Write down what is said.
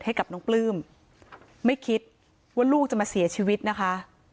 ให้กับน้องปลื้มไม่คิดว่าลูกจะมาเสียชีวิตนะคะ